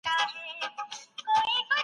ما د پښتو ژبي دپاره یوه نوې اکاډمي جوړه کړه